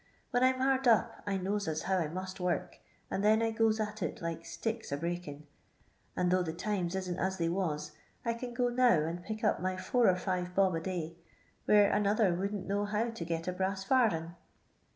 When I 'm hard up, I knows as how I must work, and then I goes at it like sticks a breaking ; and tho' the times isn't as they was, I can go now and pick np my four or five bob a day, where another wouldn't know how to get a brass farden."